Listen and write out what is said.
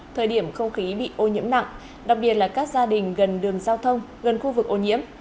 thời điểm không khí bị ô nhiễm nặng đặc biệt là các gia đình gần đường giao thông gần khu vực ô nhiễm